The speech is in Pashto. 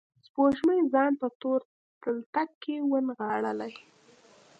سپوږمۍ ځان په تور تلتک کې ونغاړلي